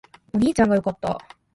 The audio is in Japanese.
お兄ちゃんが良かった